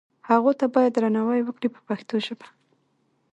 هغو ته باید درناوی وکړي په پښتو ژبه.